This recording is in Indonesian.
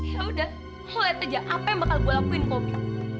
ya udah lu lihat aja apa yang bakal gua lakuin sama opi